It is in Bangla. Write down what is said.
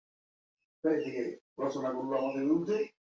ফিরআউনের পারিষদবর্গ আপনাকে হত্যা করার জন্য সলাপরামর্শ করছে।